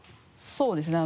そうですね